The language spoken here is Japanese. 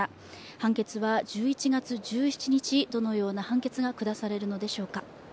判決は１１月１７日、どのような判決が下されるのでしょうか。